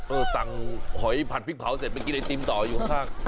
สั่งหอยผัดพริกเผาเสร็จไปกินไอติมต่ออยู่ข้าง